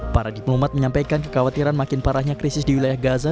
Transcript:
para diplomat menyampaikan kekhawatiran makin parahnya krisis di wilayah gaza